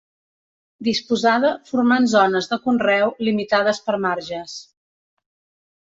Disposada formant zones de conreu limitades per marges.